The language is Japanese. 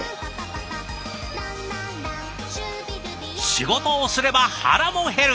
仕事をすれば腹も減る！